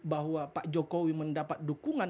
bahwa pak jokowi mendapat dukungan